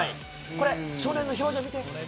これ、少年の表情見て。